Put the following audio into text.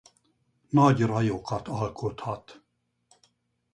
Nagy rajokat alkothat.